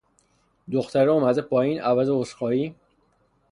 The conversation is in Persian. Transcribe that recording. دخترِ اومده پایین، عوض عذر خواهی،